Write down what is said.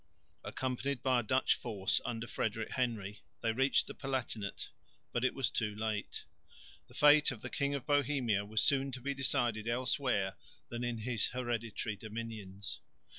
Accompanied by a Dutch force under Frederick Henry, they reached the Palatinate, but it was too late. The fate of the King of Bohemia was soon to be decided elsewhere than in his hereditary dominions.